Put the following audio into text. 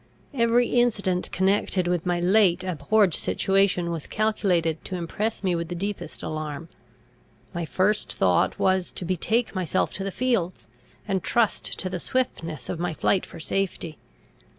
Every incident connected with my late abhorred situation was calculated to impress me with the deepest alarm. My first thought was, to betake myself to the fields, and trust to the swiftness of my flight for safety.